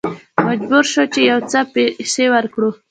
مجبور شوو چې یو څه پیسې ورکړو.